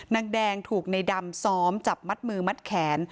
นางแดงถูกในดำซ้อมจับมัดมือมัดแขน